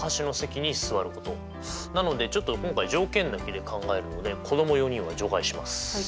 なのでちょっと今回条件だけで考えるので子ども４人は除外します。